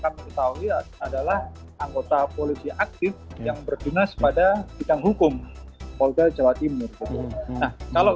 kita lihat adalah anggota polisi aktif yang berdinas pada bidang hukum polra jawa timur kalau